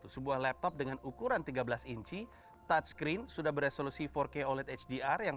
sebuah laptop dengan ukuran tiga belas inci touch screen sudah beresolusi empat k oled hdr yang